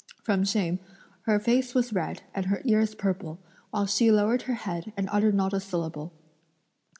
From shame, her face was red and her ears purple, while she lowered her head and uttered not a syllable.